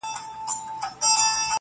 د وخت په تېرېدو هر څه بدلېږي خو ياد نه